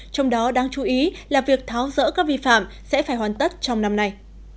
trong đó đáng chú ý là việc tháo rỡ các vi phạm sẽ phải hoàn tất trong năm nay